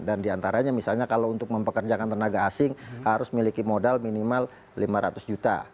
dan diantaranya misalnya kalau untuk mempekerjakan tenaga asing harus miliki modal minimal lima ratus juta